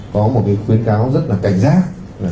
thì người ta có một cái khuyến cáo rất là cảnh giác